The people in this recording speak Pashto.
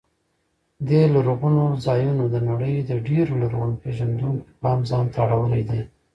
دې لرغونو ځایونو د نړۍ د ډېرو لرغون پېژندونکو پام ځان ته اړولی دی.